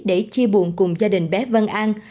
để chia buồn cùng gia đình bé vân an